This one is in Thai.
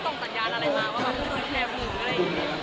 ว่าฟังคุยแค่ภูมิกับอะไรอย่างนี้